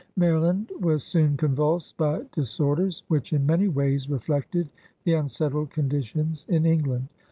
Maryland was soon convulsed by disorders which in many ways reflected the unsettled condi tions in England.